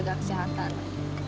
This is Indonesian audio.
gak ada yang mau nanya